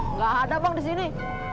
nggak ada bang di sini